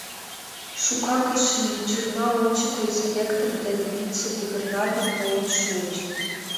Шукак ыш лий — тюрьма ончыко инспектор ден вице-губернатор толын шуыч.